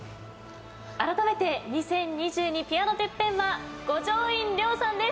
あらためて２０２２ピアノＴＥＰＰＥＮは五条院凌さんです。